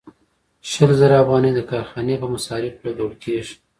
شل زره افغانۍ د کارخانې په مصارفو لګول کېږي